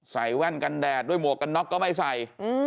แว่นกันแดดด้วยหมวกกันน็อกก็ไม่ใส่